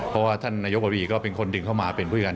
เพราะว่าท่านนายกบรีก็เป็นคนดึงเข้ามาเป็นผู้การ